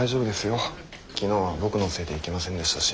昨日は僕のせいで行けませんでしたし。